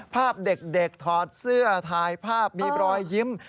ภาพเด็กถอดเสื้อถ่ายภาพมีรอยยิ้ม